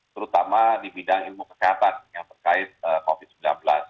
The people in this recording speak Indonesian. terutama di bidang ilmu kesehatan yang terkait covid sembilan belas